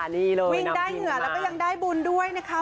วิ่งได้เหนือและก็ยังได้บุญด้วยนะคะ